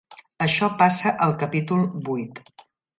Això passa al capítol vuit.